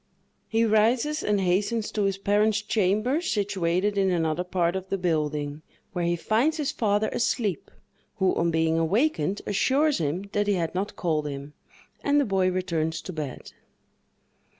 He rises and hastens to his parent's chamber, situated in another part of the building, where he finds his father asleep, who, on being awakened, assures him that he had not called him, and the boy returns to bed.